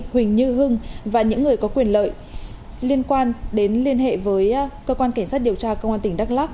huỳnh như hưng và những người có quyền lợi liên quan đến liên hệ với cơ quan cảnh sát điều tra công an tỉnh đắk lắc